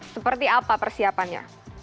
seperti apa persiapannya